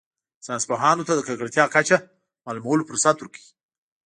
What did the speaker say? ساینس پوهانو ته د ککړتیا کچه معلومولو فرصت ورکوي